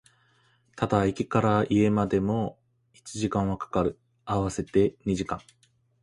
ただ、駅から家までも一時間は掛かる、合わせて二時間